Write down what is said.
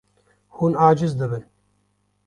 Hûn aciz dibin.